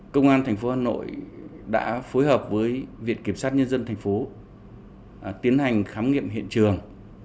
công an tp hà nội đã phối hợp với viện kiểm sát nhân dân thành phố tiến hành khám nghiệm hiện trường